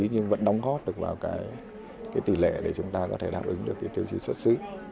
nhưng vẫn đóng góp được vào cái tỷ lệ để chúng ta có thể đáp ứng được cái tiêu chí xuất xứ